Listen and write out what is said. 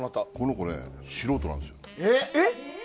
この子ね、素人なんですよ。